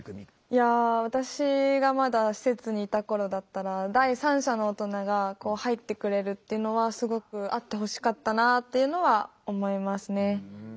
いや私がまだ施設にいた頃だったら第三者の大人が入ってくれるっていうのはすごくあってほしかったなっていうのは思いますね。